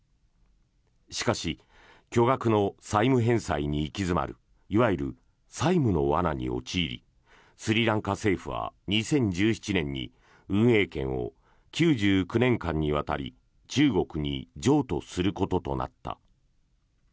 しかし巨額の債務返済に行き詰まるいわゆる債務の罠に陥りスリランカ政府は２０１７年に運営権を９９年間にわたり中国に譲渡することとなった。